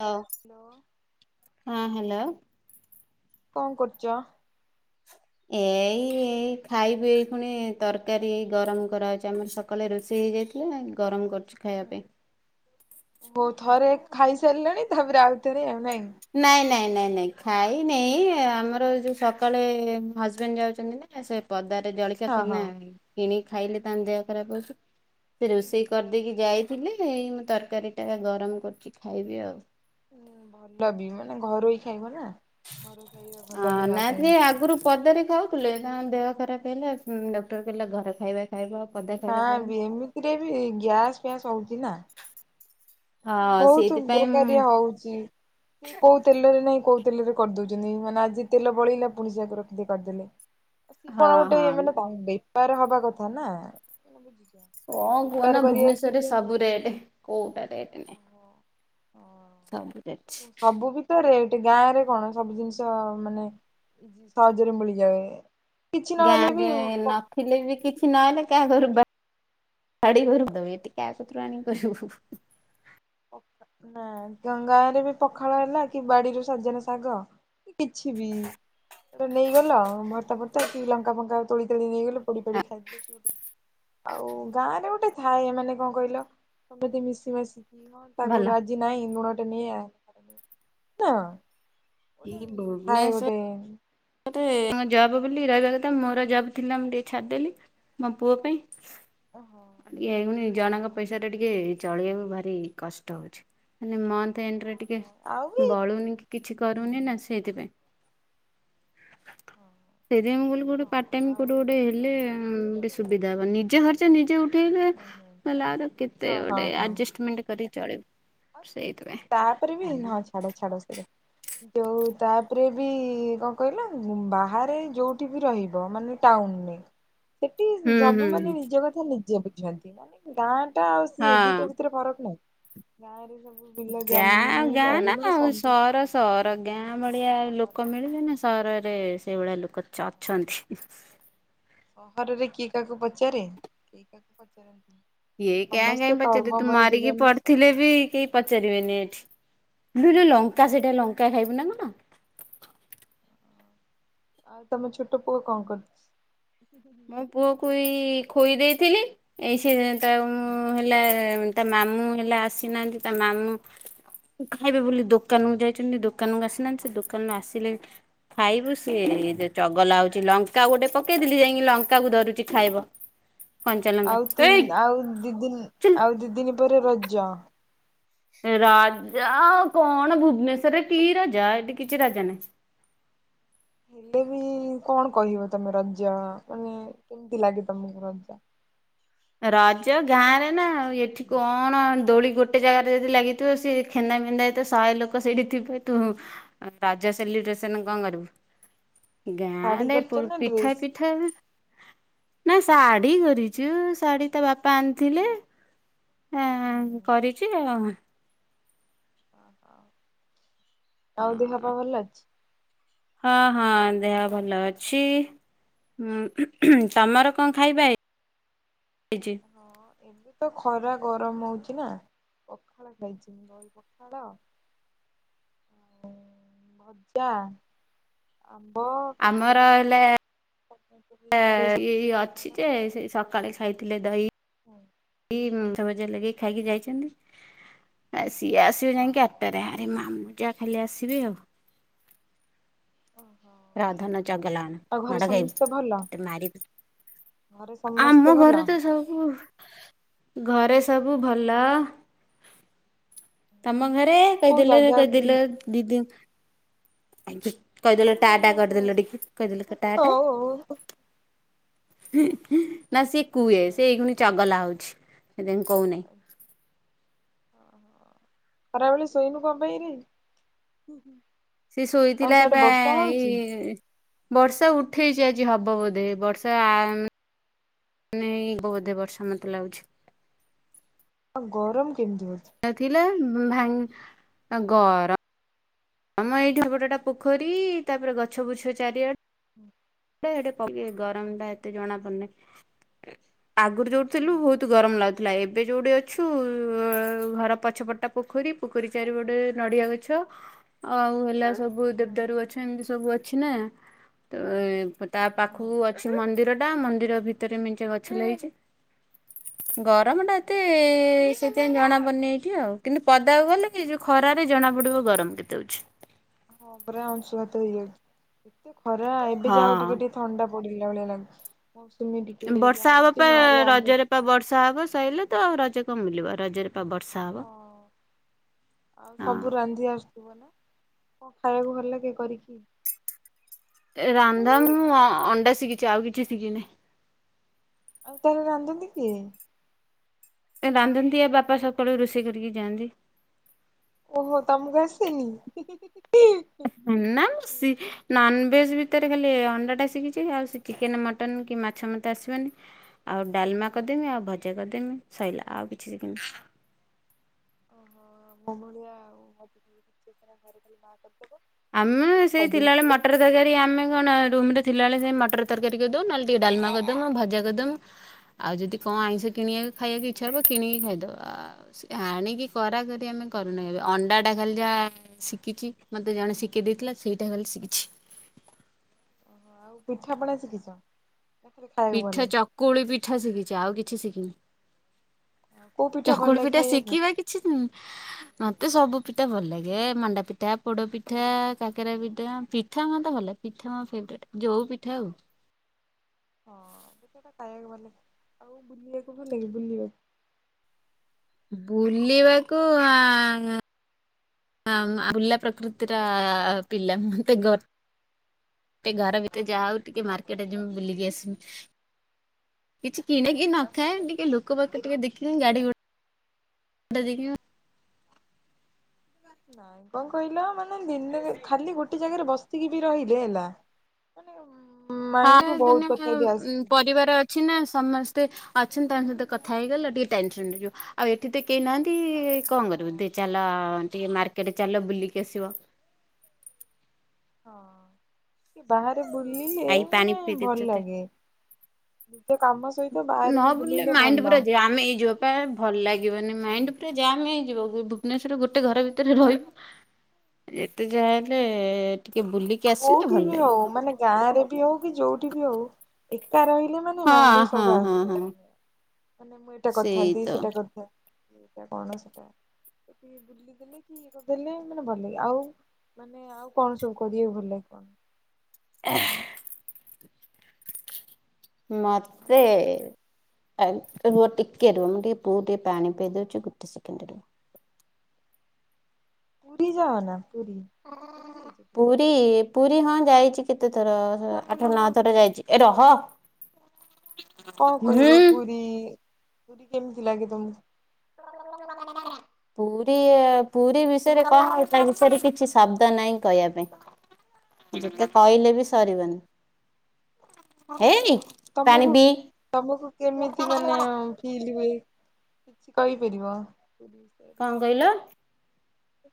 ହଁ। ହ୍ୟାଲୋ। ହଁ ହ୍ୟାଲୋ। କଣ କରୁଛ? ଏଇ ଏଇ ଖାଇବି ଏଇ ପୁଣି ତରକାରୀ ଏଇ ଗରମ କରାହେଉଛି ଆମର ସକାଳେ ରୋଷେଇ ହେଇଯାଇଥିଲା ଗରମ କରୁଛି। ଖାଇବା ପାଇଁ। ଓ ଥରେ ଖାଇସାରିଲାଣି ତାପରେ ଆଉଥରେ ଆଉ ନାଇଁ। ନାଇଁ -ନାଇଁ -ନାଇଁ- ନାଇଁ ଖାଇ ନେଇ ଆମର ଯୋଉ ସକାଳେ ହଜବେଣ୍ଡ୍ ଯାଉଛନ୍ତି ନା। ସେ ପଦାରେ ଜଳ ଖିଆ ହଁ ହଁ। କିନା କିଣିକି ଖାଇଲେ ତାଙ୍କ ଦେହ ଖରାପ ହୋଉଛି, ସେ ରୋଷେଇ କରିଦେଇକି ଯାଇ ଥିଲେ ଏଇ ମୁଁ ତରକାରୀଟା ଗରମ୍ କରୁଛି ଖାଇବି ଆଉ। ହଁ ଭଲ ବି ମାନେ ଘରୋଇ ଖାଇବ ନା ଘର ଖାଇବା ଭଲ ହଁ ଦେହ ନା ଟିକେ ପାଇଁ। ଆଗରୁ ପଦାରେ ଖାଉଥିଲେ ତାଙ୍କ ଦେହ ଖରାପ୍ ହେଲା, ଡକ୍ଟର କହିଲେ ଘରେ ଖାଇବା ଖାଇବ। ପଦା ନା ଖାଇବା ଖାଇବନି। ଏମିତିରେ ବି ଗ୍ୟାସ୍ ଫ୍ୟାସ୍ ହଉଛି ନା। ହଁ ବୋହୁତ୍ ସେଇଥିପାଇଁ ଦ୍ରୁକାରିଆ ମୁଁ- ହୋଉଚି। ସେ କୋଉ ତେଲରେ ନାଇଁ କୋଉ ତେଲରେ କରିଦଉଛନ୍ତି, ମାନେ ଆଜି ତେଲ ବଳେଇଲା ପୁଣି ସୋଇଆକୁ ରଖି କରିଦେଲେ। ହଁ କଣ ଗୋଟେ ହଁ ମାନେ ତାଙ୍କ ବେପାର ହବା କଥା ନା। କଣ ବେପାର କୁହନା କରିବାର ଭୁବନେଶ୍ଵରରେ ଥିଲେ ସବୁ ରେଟେ କୋଉଟା ରେଟ୍ ନାଇଁ। ଓହୋ ସବୁ ବି ରେଟେ, ଗାଁ ରେ କଣ ସବୁ ଜିନିଷ ମାନେ ସହଜରେ ମିଳିଯାଏ। କିଛି ନହେଲେ ବି ଥିଲେ ବି କିଛି ନହେଲେ କାହା ଘରୁ ବା ଗାଡ଼ି କର ତ ଏଠି କା କତୁରୁ ଆଣି କରିବୁ। ନା ଗାଁ ରେ ବି ପଖାଳ ହେଲା କି ବାଡିରୁ ସଜନା ଶାଗ। କିଛି ବି। ଏଟା ନେଇଗଲ ଆଉ ଭର୍ତ୍ତା ଫର୍ତ୍ତା କି ଲଙ୍କା ଫଙ୍କା ତୋଳି ତାଳି ନେଇଗଲୁ ପୋଡି ପାଡି ଖାଇବୁ। ଆଉ ଗାଁ ରେ ଗୋଟେ ଥାଏ ମାନେ କଣ କହିଲ କେମିତି ମିଶି ମାସି କ ତାକୁ ଭଲ। ରାଜି ନାହିଁ, ଲୁଣଟେ ନେଈଆ ନା [unintelligible] ଥାଏ ଗୋଟେ। ମତେ ଜବ୍ ବୋଲି ରହିବା କଥା ମୋର ଜବ୍ ଥିଲା, ମୁଁ ଟିକେ ଛାଡିଦେଲି। ମୋ ପୁଅ ପାଇଁ ଓହୋ ଇଏ ପୁଣି ହଁ ଜଣଙ୍କ ପାଇଁ। ପଇସା ଟା ଟିକେ ଚଳେଇବାକୁ ଭାରି କଷ୍ଟ ହୋଉଛି, ମାନେ ମନ୍ଥ ଏଣ୍ଡ୍ ରେ ଟିକେ ହଁ ଆଉ ବି ବଳୁନି କି କିଛି ହୁଁ କରୁନି ହୁଁ ନା ସେଇଥିପାଇଁ। ହଁ। ସେଇଥିପାଇଁ ମୁଁ କହିଲି କୋଉଠି ଗୋଟେ ହଁ ପାର୍ଟ ଟାଇମ୍ ଆଉ କୋଉଠି ବି ଗୋଟେ ହେଲେ ଗୋଟେ ସୁବିଧା ହବ ନିଜ ଖର୍ଚ୍ଚ ନିଜେ ଉଠେଇଲେ ହୁଁ ହୁଁ କହିଲାରୁ କେତେ ହଁ ହଁ ଗୋଟେ ହଁ। ଆଉ ଆଡଜଷ୍ଟ୍ ମେଣ୍ଟ୍ କରିକି ଚଳିବୁ। ସେଇଥିପାଇଁ। ତାପରେ ବି, ହଁ ଛାଡ ଛାଡ ସେକଥା। ଦୋଉ ତାପରେ ବି କଣ କହିଲ, ବାହାରେ ଯୋଉଠି ବି ରହିବ ମାନେ ଟାଉନରେ। ସେଠି ହୁଁ ହୁଁ ସବୁ ହୁଁ ମାନେ ନିଜ କଥା ନିଜେ ବୁଝନ୍ତି। ଗାଁ ଟା ଆଉ ସିଏ ଦିଟା ହଁ ଭିତରେ ଫରକ ନାହିଁ, ଗାଁ ରେ ସବୁ। ବିଲ ଗାଁ ଆଉ ଜମି ଗାଁ ବାଡି ନା ମାନେ ଆଉ ସବୁ ସହର ସହର ଗାଁ ଭଳିଆ ଆଉ ଲୋକ ମିଳିବେ ନା। ସହରରେ ସେଇଭଳିଆ ଲୋକ ଚ- ଚନ୍ତି। ସହରରେ କିଏ କାହାକୁ ପଚାରେ, କିଏ କାହାକୁ ପଚାରନ୍ତି। କିଏ କାଇଁ କାହାକୁ ପଚାରିବେ, ତୁ ମରିକି ଜୀବନରେ ସ ପଡି ଥିଲେ ବି ପଚାରିବେନି ଏଠି, ଇଲୋ ଲୋ ହଁ ଲଙ୍କା ସେଇଟା ଲଙ୍କା ଖାଇବୁ ନା କଣ? ଆଉ ତମେ ଛୋଟ ପୁଅ କଣ କରୁଛି? ମୋ ପୁଅକୁ ଏଇ ଖୋଇ ଦେଇଥିଲି, ଏଇ ସେ ତାକୁ ହେଲା ତା ମାମୁଁ ହେଲା ଆସିନାହାନ୍ତି, ତା ମାମୁଁ। ଖାଇବେ ବୋଲି ଦୋକାନକୁ ଯାଇଛନ୍ତି। ଦୋକାନକୁ ଆସିନାହାନ୍ତି। ସେ ଦୋକ୍ କୋନ ଆସିଲେ ଖାଇବୁ ସିଏ ଚଗଲା ହୋଉଛି, ଲଙ୍କା ଗୋଟେ ପକେଇଥିଲି ଯାଇ ଇ ଲଙ୍କା କୁ ଧରୁଛି ଖାଇବ। କଞ୍ଚା ଲଙ୍କା ଆଉ ଏଇ ତିନ ଆଉ ଦି ଦିନ ଚୁଲ ଆଉ ଦି ଦିନ ପରେ ରଜ। ରଜ ଆଉ କଣ ଭୁବନେଶ୍ଵରରେ କି ରଜ ଏଠି କିଛି ରଜ ନାହିଁ। ହେଲେ ବି କଣ କହିବ ତମେ ରଜ? ମାନେ କେମିତି ଲାଗେ ତମକୁ ରଜ? ରଜ ଗାଁ ରେ ନା ଆଉ। ଏଠି କଣ ଦୋଳି ଗୋଟେ ଗୋଟେ ଜାଗାରେ ଯଦି ଲାଗିଥିବ ସେଇ ଖେନ୍ଦା ମେନ୍ଦା ହେଇଥିବ ଶହେ ଲୋକ ସେଇଠି ଥିବେ ତୁ ଆଉ ରାଜା ସେଲିବ୍ରେସନରେ କଣ କରିବୁ? ଶାଢୀ ଗାଁରେ କରିଛ ପୋଡ଼ ନା ପିଠା ଡ୍ରେସ୍? ପିଠା ନା ଶାଢୀ କରିଛୁ। ଶାଢ଼ୀ ତ ବାପା ଆଣିଥିଲେ ଆଁ କରିଛି ଆଉ। ଅ ହ, ତମ ଦେହପା ଭଲ ଅଛି? ହଁ ହଁ, ଦେହ ଭଲ ଅଛି। ହୁଁ, ତମର କଣ ଖାଇବା ହେଇଛି? ହଁ, ଏବେ ତ ଖରା ଗରମ ହଉଛିି ନା ପଖାଳ ଖାଇଛି। ପଖାଳ। ଭଜା, ଆମ୍ବ, କାକୁଡ଼ି। ଆ ଏଇ ଅଛି ଯେ ସେଇ ସକାଳେ ଖାଇଥିଲେ ଦହି। ହଁ ଭଜା ଲଗେଇି ଖାଇକି ଯାଇଛନ୍ତି ଆ ସିଏ ଆସିବେ ଯାଇକି ଆଠ୍। ଆଠଟାରେ। ଆରେ ମାମୁଁ ଯାହା ଖାଲି ଆସିବେ ଆଉ। ଓହୋ। ରହ ଧନ ଚଗଲା ଆଉ ହଅନା ଘରେ ମାଡ ସମସ୍ତେ ଖାଇବୁ ଭଲ ତତେ ମାରିବି। ଘରେ ସମସ୍ତେ ଆମ ଭଲ? ଘରେ ତ ସବୁ ଘରେ ସବୁ ଭଲ। ତମ ଘରେ? କୋଉ ଜାଗା ବୁଲି [unintelligible] ଦିଦିନ। କହିଦେଲ ନାଇଁ ଟା ନାଇଁ ଟା ନାଇଁ ଶୁଣ କରିଦେଲ ଟିକେ କହିଦେଲ ଟାଟା। ହଉ ହଉ। ଓହୋ ନା ସିଏ କୁହେ। ଓହୋ। ସେ ଏଇ ଖୁଣି ଚଗଲା ହଉଛି ସେଥିପାଇଁ କହୁନାହିଁ। ହଁ ଖରାବେଳେ ଶୋଇନୁ କଣପାଇଁ? ସିଏ ଶୋଇଥିଲାବା ଏଇ ବର୍ଷା ଉଠେଇଛି ଆଜି ହବ ବୋଧେ। ବର୍ଷା ନାଇଁ ହେବ ବୋଧେ ବର୍ଷା ମତେ ଲାଗୁଛି। ଆଉ ଗରମ କେମିତିି ହଉଚି? ଥିଲା ଭାଙ୍ଗ ଆ ଗରମ ଆମ ଏଇଠି ଗୋଟାଟା ପୋଖରୀ ତାପରେ ଗଛ ବୁଛ ଚାରିଆଡେ। ହୁଁ ପକେଇ ଗରମ ଟା ଏତେ ଜଣା ପଡୁନି ଆଗରୁ ଯୋଉଠିଥିଲୁ ବହୁତ ଗରମ ଲାଗୁଥିଲା ଏବେ ଯୋଉଠି ଅଛୁ ଘର ପଛପଟଟା ପୋଖରୀ। ପୋଖରୀ ଚାରିପଟେ ନଡିଆ ଗଛ ଆଉ ହେଲା ସବୁ ହୁଁ ଦେବଦାରୁ ଗଛ ଏମିତି ସବୁ ଅଛି ନା, ତ ତା ହଁ ପାଖକୁ ସେ ମନ୍ଦିରଟା ମନ୍ଦିର ଭିତରେ ମେଞ୍ଚେ ଗଛ ଲାଗିଛି। [inaudible] ଗରମ ଟା ଏତେ ସେଥିପାଇଁ ଜଣା ପଡୁନି ଏଇଠି ଆଉ। କିନ୍ତୁ ପଦାକୁ ଗଲେ ଏ ଯୋଉ ଖରାରେ ଜଣାପଡ଼ିବ ଗରମ କେତେ ହଉଛି। ହଁ, ପରା ଅଂଶୁଘାତ ହେଇଯାଉଛି। ଏତେ ଖରା ଏବେ ଯାହାହେଉ ଟିକେ ହଁ। ଟିକେ ଥଣ୍ଡା ପଡିିଲା ଭଳିଆ ଲାଗୁଛି। ମୌସୁମୀ ଟିକେ ଯାହା ବର୍ଷା ହବ ପା ଆଉଛି ନହେଲେ ଆଗକୁ ରଜରେ ବର୍ଷା ହବ ସଇଲା ତ ରଜ କଣ ମିଳିବ ରଜରେ ପା ବର୍ଷା। ହବ। ହଁ ଆଉ ସବୁ ହଁ ରାନ୍ଧି ଆସ୍ କୁହ ନା? କଣ ଖାଇବାକୁ ଭଲ ଲାଗେ କରିକି? ଏ ରାନ୍ଧା ମୁଁ ଅ-ଅଣ୍ଡା ଶିଖିଚି ଆଉ କିଛି ଶିଖିିନି। ଆଉ ତାହେଲେ ରାନ୍ଧନ୍ତି କିଏ? ଏ ରାନ୍ଧନ୍ତି ଆ ବାପା ସକାଳୁ ରୋଷେଇ କରିକି ଯାଆନ୍ତି। ଓହୋ ତମୁକୁ ଆସେନି, ହିଁ ହିଁ ହିଁ ହିଁ ହିଁ ଉଁ ନାମ ସି ନନଭେଜ୍ ଭିତେରେ ଖାଲି ଏ ଅଣ୍ଡାଟା ଶିଖିଚି ଆଉ ସେ ଚିକେନ, ମଟନ୍ କି ମାଛ ମତେ ଆସିବନି। ଆଉ ଡାଲମା ହଁ କରିଦେମି ଆଉ ଭଜା କରିଦେମି ସଇଲା ଆଉ କିଛି ଶିଖିନି। ଓହୋ ମୋ ଭଳିଆ ଆଉ [unintelligible] କରିଦବ। ଆମେ ମୁଁ ଖାଲି ସେଇ ଖାଇଦେବି ଥିଲାବେଳେ ସଇଲା। ମଟର ତରକାରୀ ଆମେ କଣ ରୁମ୍ ରେ ଥିଲାବେଳେ ସେ ମଟର ତରକାରୀ କରିଦଉ ନହେଲେ ଟିକେ ଡାଲମା କରିଦମୁ ଭଜା କରିଦମୁ ଆଉ ଯଦି କଣ ଆଇଁଷ କିଣିଆକୁ ଖାଇଆକୁ ଇଚ୍ଛା ହବ କିଣିକି ଖାଇଦଉ ଆ ଏ ଆଣିକି କରା କରି ଆମେ କରୁନାଇଁ ଏବେ ଅଣ୍ଡା ଟା ଖାଲି ଯା ଶିଖିଚି ମ ତେ ଜଣେ ଶିଖେଇ ଦେଇଥିଲା ସେଇଟା ଖାଲି ଶିଖିଚି। ଓହୋ ଆଉ ପିଠାପଣା ଶିଖିଚ? ପିଠା ଚକୁଳି ପିଠା ଶିଖିଚି ଆଉ କିଛି ଶିଖିନି। ଲାଗେ? କୋଉ ଭଲ ଚକୁଳି ଲାଗେ ପିଠା ଖାଇବାକୁ? ଶିକିବା କିଛି ଉଁ ମତେ ସବୁ ପିଠା ଭଲ ଲାଗେ ଏ ମଣ୍ଡା ପିଠା, ପୋଡ ପିଠା, କାକେରା ପିଠା, ପିଠା ମତେ ଭଲ ଲାଗେ। ପିଠା ମୋ ଫେଭେରେଟ୍ ଯୋଉ ପିଠା ହଉ। ହଁ ପିଠାଟା ଖାଇଆକୁ ଭଲଲାଗେ ଆଉ ବୁଲିଆକୁ ଭଲଲାଗେ ବୁଲିବା? ବୁଲିବାକୁ [inaudible] ଆ ଆଁମ ବୁଲା ପ୍ରକୃତିଟା ପିଲା ମତେ ଗ ଟିକେ ଘର ଭିତେରେ ଯାହା ହଉ ଟିକେ ମାର୍କେଟ୍ ଯିମି ବୁଲିକି ଆସିମି। କିଛି କିଣେକି ନଖାଏ ଟିକେ ଲୋକ ବାକ ଟିକେ ଦେଖିକି ଗାଡି ଗୁ ଡା ଦେଖିମୁ ନାଇଁ କଣ କହିଲ ମାନେ ଦିନେରେ ଖାଲି ଗୋଟେ ଜାଗାରେ ବସିକି ବି ରହିଲେ ହେଲା, ମାନେ ଉଁମ [unintelligible] ଦିନେକେ ଉଁ ପରିବାର ଅଛି ନା ସମସ୍ତେ ଅଛନ୍ତି ତାଙ୍କ ସହିତ କଥା ହେଇଗଲେ ଟିକେ ଟାଇମ୍ ସ୍ପେଣ୍ଡ ହେଇଯିବ ଆଉ ଏଠିତ କେହି ନାହାନ୍ତି ଠି କଁ କରିବୁ ଦେ ହଁ ଚାଲ ଟିକେ ମାର୍କେଟ ଚାଲ ବୁଲିକି ଆସିବ। ହଁ ବାହାରେ ବୁଲିଲେ ଆଇ ପାଣି ମାନେ ପିଇଦେବି ଭଲ ତତେ। ଲାଗେ। ନିଜ କାମ ସହିତ ବାହାରେ ବି ବୁଲିଲେ ଭଲ। ତ ଆମେ ଏଇ ଜୋବ୍ ପାଇଁ ଭଲ ଲାଗିବନି ମାଇଣ୍ଡ ପୁରା ଜାମ୍ ହେଇଯିବ ଭୁବ୍ ଭୁବନେଶ୍ୱର ଗୋଟେ ଘର ଭିତରେ ରହିବୁ। ଯେତେ ଯାହା ହେଲେ ଟିକେ ବୁଲିକି ଆସିଲେ କୋଉଠି ଭଲ ବି ହଉ ଲାଗିବ। ମାନେ ଗାଁ ରେ ବି ହଉ କି ଯୋଉଠି ବି ହଉ ଏକା ରହିଲେ ମାନେ ହଁ ମାଇଣ୍ଡରେ ହଁ ସବୁ ହଁ ଆସେ ହଁ ମାନେ ମୁଁ ଏଇଟା ସେଇ କରିଥାନ୍ତି ତ। ସେଟା କରିଥାନ୍ତି। ଏଇଟା କଣ ସେଟା? [unintelligible] ବୁଲିଦେଲେ କି ଇଏ କରିଦେଲେ ମାନେ ଭଲ ଲାଗେ ଆଉ ମାନେ ଆଉ କଣ ସବୁ କରିଆକୁ ଭଲ ଲାଗେ କ? ଏହ୍ ମତେ ହ୍ୟାଲୋ ଆର ରୁଅ ଟିକେ ରୁଅ ମୁଁ ଟିକେ ପୁଅକୁ ଟିକେ ପାଣି ପେଇ ଦଉଚି ଗୋଟେ ସେକେଣ୍ଡରୁଅ। ପୁରୀ ଯାଅନା ପୁରୀ, ପୁରୀ ଯାଇଚକି? ରୀ ପୁରୀ ହଁ ଯାଇଚି କେତେ ଥର ଆଠ ନଅ ଥର ଯାଇଚି ଏ ରହ। କଣ ହୁଁ କହିବ ପୁରୀ ପୁରୀ କେମିତି ଲାଗେ ତମକୁ? [inaudible] ପୁରୀ- ପୁରୀ ବିଷୟରେ କଣ ତା ବିଷୟରେ କିଛି ଶବ୍ଦ ନାହିଁ କହିବା ପାଇଁ। ଯେତେ କହିଲେ ବି ସରିବନି। ତମକୁ [inaudible] ତମକୁ କେମିତି ମାନେ ଫିଲ୍ ହୁଏ କିଛି କହିପାରିବ? କଣ୍ କହିଲ?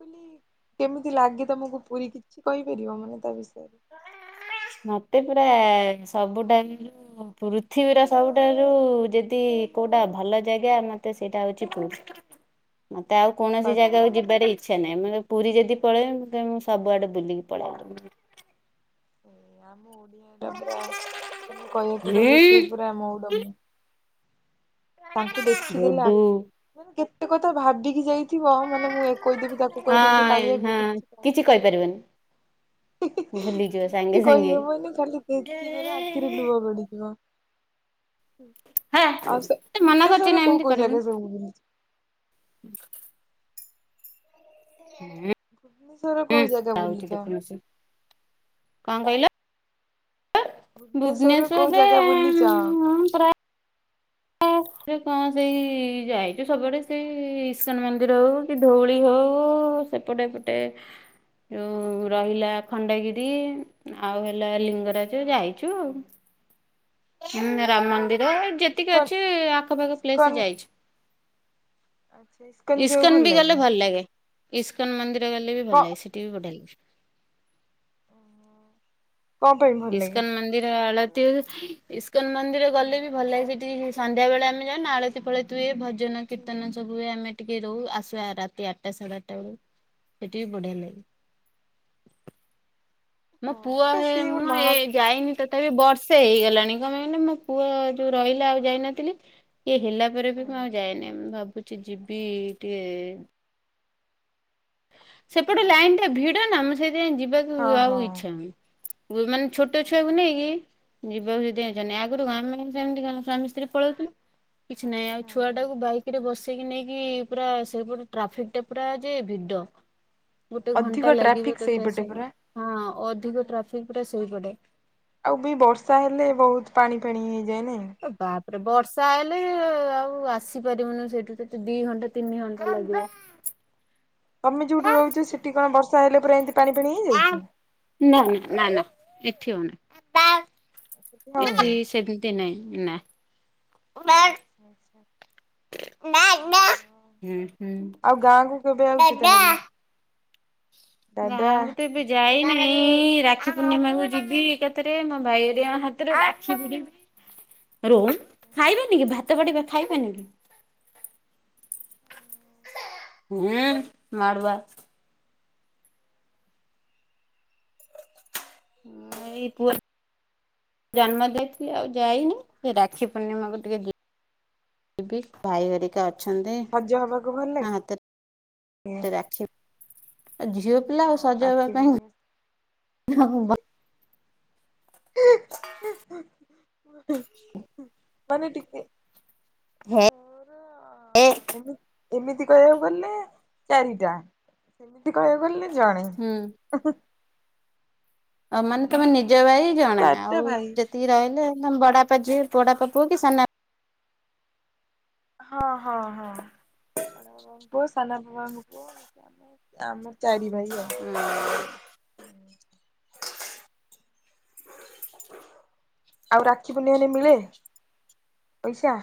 କହିଲ କେମିତି ଲାଗେ ତମକୁ ପୁରୀ କିଛି କହିପାରିବ ମାନେ ତା ବିଷୟରେ? ମତେ ପୁରା ସବୁ ଟା ପୃଥିବୀର ସବୁଠାରୁ ଯଦି କଉଟା ଭଲ ଜାଗା ମତେ ସେଇଟା ହଉଚି ପୁରୀ। ମତେ ଆଉ କୌଣସି ଜାଗାକୁ ଆମ ଯିବାରେ ଇଚ୍ଛା ନାହିଁ ମାନେ ପୁରୀ ଯଦି ପଳେଇ ମୁଁ ସବୁଆଡେ ବୁଲିକି ପଳେଇ ଆଇବି। [unintelligible] କହିବାକୁ ଗଲେ ସିଏ ପୁରା ମଉଡ ତାଙ୍କୁ ଦେଖିଦେଲେ ଡୁଡୁ [inaudible] କେତେ କଥା ଭାବିକି ଯାଇ ଥିବ ମାନେ ମୁଁ ଏ କହିଦେବି ତାକୁ କହିଦେବି ଯେ ହଁ କାଳିଆ। ହଁ କିଛି କହିପାରିବନି [unintelligible] ଭୁଲିଯିବ ସାଙ୍ଗେ କିଛି ସାଙ୍ଗେ କହିହବନି ଖାଲି ଦେଖିଦେଲେ ଆ ଆଖିରେ ଲୁହ ଗଡିଯିବ ହଁ ଆଉ ସେ ମନା ଭୁବନେଶ୍ୱର କରୁଛି ରେ ନା କଉ ଏମିତି କଉ ଜାଗା ସବୁ ବୁଲିଚ? ହୁଁ [unintelligible] [inaudible] [inaudible] ବୁଲିଚ? [unintelligible] କଣ୍ କହିଲ? ଭୁବନେଶ୍ୱରରେ କୋଉ ଭୁବନେଶ୍ଵରରେ ଜାଗା ବୁଲିଚ? ଉଁ- ପ୍ରାୟେ [inaudible] ସେ କଣ ସେଇ ଯାଇଚୁ ସବୁଆଡେ ସେ ଇସ୍କନ୍ ମନ୍ଦିର ହଉ କି ଧଉଳି ହଉ ଏପଟେ -ପଟେ ଯଉ ରହିଲା ଖଣ୍ଡଗିରି ଆଉ ହେଲା ଲି ଲିଙ୍ଗରାଜ ଯାଇଚୁ। ରାମ ମନ୍ଦିର ଯେତିକି ଇସ୍କନ ଅଛି ଆଖପାଖ ପ୍ଲେସ୍ ଇସ୍କନ ଯାଇଚୁ। ଆଚ୍ଛା ଇସ୍କନ ଯିବାକୁ ଇସ୍କନ୍ ଭଲ ବି ଗଲେ ଭଲ ଲାଗେ ଇସ୍କନ୍ ମନ୍ଦିର ଗଲେ ବି କ ଭଲ ଲାଗେ ସେଠି। [unintelligible] କଣ ପାଇଁ ଭଲ ଲାଗେ? ଇସ୍କନ ମନ୍ଦିର ମାନେ ଆଳତି ହୁଏ ଇସ୍କନ୍ ମନ୍ଦିର ହୁଁ ଗଲେ ବି ଭଲ ଲାଗେ ସେଠି ସନ୍ଧ୍ୟାବେଳେ ଆମେ ଯାଉ ଆଳତୀ ଫାଳତି ହୁଏ ଭଜନ ହୁଁ କୀର୍ତ୍ତନ ହୁଁ ସବୁ ହୁଏ ଆମେ ଟିକେ ରହୁ ଆସୁ ରାତି ଆଠଟା ସାଢେ ଆଠ୍ ଟା ବେଳେ ସେଠି ବି ବଢିଆ ଲାଗେ। ମୋ ହଁ ପୁଅ ପୁରା ହେ ସିଏ ଗୋଟେ ମୁଁ ମହା ଏଇ ଯାଇନି ତଥାପି ବର୍ଷେ ହେଇଗଲାଣି କଣ ପାଇଁ କହିଲେ ମୋ ପୁଅ ଯଉ ରହିଲା ଆଉ ଯାଇନଥିଲି କି ହେଲା ପରେ ବି ମୁଁ ଆଉ ଯାଇନି ମୁଁ ଭାବୁଚି ଯିବି ଟିକେ ସେପଟେ ଲାଇନ୍ ଟା ଭିଡ ନା ଆମେ ସେଇଥିପାଇଁ ଯିବାକୁ ହଁ ଆଉ ଇଚ୍ଛା ହଉନି। [unintelligible] ଛୋଟ ଛୁଆକୁ ନେଇକି ଯିବାକୁ ହଁ। [unintelligible] ଆଗୁରୁ [unintelligible] ସେମିତି ସ୍ୱାମି ସ୍ତ୍ରୀ ପଳଉଥିଲୁ କିଛି ନାହିଁ ଆଉ ଛୁଆ ଟାକୁ ବାଇକ୍ ରେ ବସେ ସେଇକି ନେଇକି ପୁରା ସେପଟେ ଟ୍ରାଫିକ୍ ଟା ପୁରା ଯେ ଭିଡ। ଗୋଟେ ଘଣ୍ଟା ଅଧିକ ଲାଗିବ ଟ୍ରାଫିକ ତତେ ସେଇପଟେ ଆସିବା ପରା। ପାଇଁ ହଁ ଅଧିକ ଟ୍ରାଫିକ୍ ଟା ସେଇପଟେ। ଆଉ ବି ବର୍ଷା ହେଲେ ବହୁତ୍ ପାଣି ଫାଣି ହେଇଯାଏ ନାଇଁ? ଏ ବାପ୍ ରେ ବର୍ଷା ହେଲେ ଆଉ ଆସିପାରିବୁନି ସେଇଠୁ ଦି- ଦି ଘଣ୍ଟା ତିନି ଘଣ୍ଟା ଲାଗିବ। ତମେ ଯଉଠି ନା ରହୁଚ ସେଠି କଣ ବର୍ଷା ହେଲା ପୁରା ଏମିତି ପାଣିଫାଣି ହେଇ ଯାଉଚି? ନା ନା -ନା- ନା ଏଠି ହଉନାହିଁ ହଉନି ଏଠି ସେ ଦିନାଇଁ ନା ହୁଁ ଓ ଆଛା। ଆଉ ହୁଁ। ଆଉ ଗାଁ କୁ କେବେ ଆଉଛି ତାହେଲେ? ଦାଦା ଗାଁକୁ ଟିକେ ବି ଯାଇ ନାଇ ରାକ୍ଷୀ ପୂର୍ଣ୍ଣିମାକୁ ଯିବି ଏକାଥରେ ମୋ ଭାଇହେରିଆ ହାତରେ ରାକ୍ଷୀ ଭିଡିବି। ରୋମ ଖାଇବେନି କି ଭାତ ବାଡିବା ଖାଇବେନି କି? ହୁଁ ମାଡୁଆ। ହଁଇ ପୁଅ ଜନ୍ମ ଦେଇଥିଲି ଆଉ ଯାଇନି ସେ ରାକ୍ଷୀ ପୂର୍ଣ୍ଣିମାକୁ ଟିକେ ଯିବି। ଯିବି ଭାଇହେରିକା ଅଛନ୍ତି, ସଜ ହବାକୁ ଭଲ ତାଙ୍କ ହାତରେ ଲାଗେ ଆଉ ଝିଅ ପିଲା ଆ ହଁ ସଜହବା ରାକ୍ଷୀ ପାଇଁ ପୂର୍ଣ୍ଣିମା [unintelligible] [unintelligible] ମାନେ ଟିକେ ହେ ମୋର ଏମିତି କହିବାକୁ ଗଲେ ଚାରିଟା ସେମିତି କହିବାକୁ ଗଲେ ଜଣେ। ହୁଁ। ଆ ମାନେ ତମେ ନିଜ ଭାଇ ଜଣେ ଆଉ ଚାରିଟା ଭାଇ ଯେତ ଯେତିକି ରହିଲେ ବଡବାପା ଝିଅ କି ବଡବାପା ପୁଅ କି ସାନ ବାପା ହଁ, ହଁ, ହଁ। ବଡ ବାବାଙ୍କ ପୁଅ ସାନ ବାବାଙ୍କ ପୁଅ ଆ ଆମ ଚାରି ଭାଇ ଆଉ। ହୁଁ। ହୁଁ [inaudible] ଆଉ ରାକ୍ଷୀ ପୂଣ୍ଣିମାରେ ମିଳେ ପଇସା?